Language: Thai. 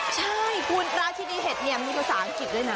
ใช่คุณราชินีเห็ดเนี่ยมีภาษาอังกฤษด้วยนะ